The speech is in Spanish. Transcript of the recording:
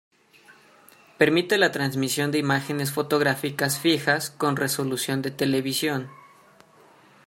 Permite la transmisión de imágenes fotográficas fijas con resolución de televisión.